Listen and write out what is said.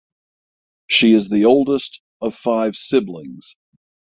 She is the oldest of five siblings.